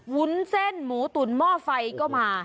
วุ้นเส้นหมูตุ๋นหม้อไฟก็มา